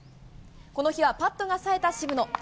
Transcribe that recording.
この日はパットがさえた渋野。